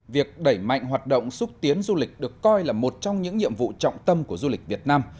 việc đẩy mạnh hoạt động xúc tiến du lịch được coi là một trong những nhiệm vụ trọng tâm của du lịch việt nam